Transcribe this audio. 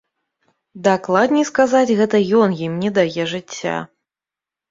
Дакладней сказаць, гэта ён ім не дае жыцця.